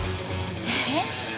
えっ？